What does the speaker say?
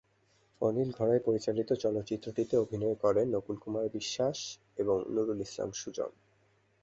অনিল ঘড়াই পরিচালিত চলচ্চিত্রটিতে অভিনয় করেন নকুল কুমার বিশ বাস এবং নূরুল ইসলাম সুজন।